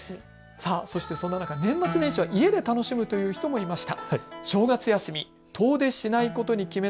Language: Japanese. そしてそんな中、年末年始は家で楽しむという人もいました。